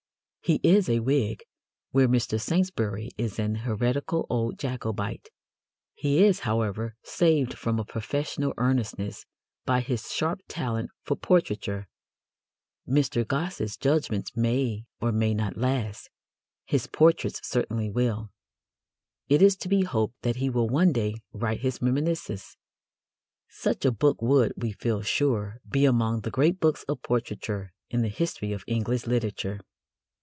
He is a Whig, where Mr. Saintsbury is an heretical old Jacobite. He is, however, saved from a professorial earnestness by his sharp talent for portraiture. Mr. Gosse's judgments may or may not last: his portraits certainly will. It is to be hoped that he will one day write his reminiscences. Such a book would, we feel sure, be among the great books of portraiture in the history of English literature.